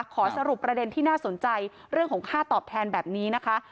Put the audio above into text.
ขอสรุปประเด็นที่น่าสนใจเรื่องของค่าตอบแทนแบบนี้นะคะ